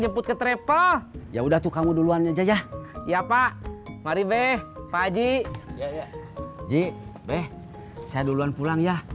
jemput ke travel ya udah tuh kamu duluan aja ya pak mari beh pak haji ji beh saya duluan pulang ya